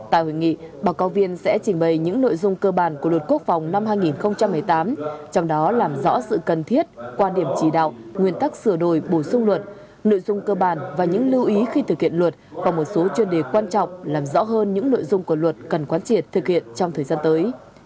tại hội nghị báo cáo viên sẽ trình bày những nội dung cơ bản của luật quốc phòng năm hai nghìn một mươi tám trong đó làm rõ sự cần thiết quan điểm chỉ đạo nguyên tắc sửa đổi bổ sung luật nội dung cơ bản và những lưu ý khi thực hiện luật và một số chuyên đề quan trọng làm rõ hơn những nội dung của luật cần quán triệt thực hiện trong thời gian tới